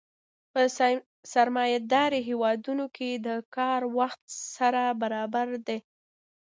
په سرمایه داري هېوادونو کې د کار وخت سره برابر دی